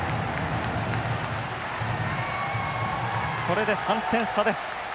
これで３点差です。